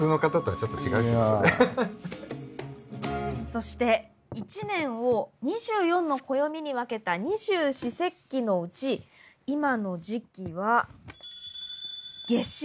そして一年を２４の暦に分けた二十四節気のうち今の時期は夏至。